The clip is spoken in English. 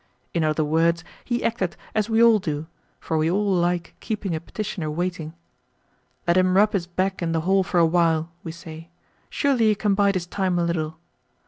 In other words, he acted as we all do, for we all like keeping a petitioner waiting. "Let him rub his back in the hall for a while," we say. "Surely he can bide his time a little?"